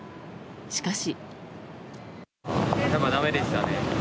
しかし。